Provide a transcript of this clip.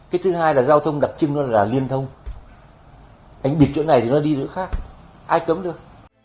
cái thứ hai là giao thông đặc trưng đó là liên thông anh bịt chỗ này thì nó đi chỗ khác ai cấm được